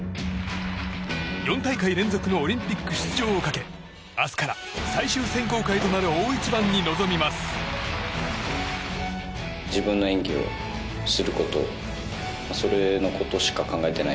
４大会連続のオリンピック出場をかけ明日から最終選考会となる大一番に臨みます。